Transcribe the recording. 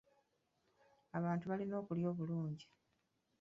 Abantu balina okulya obulungi.